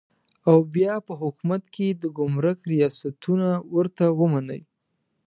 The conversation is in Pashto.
او بیا په حکومت کې د ګمرک ریاستونه ورته ومني.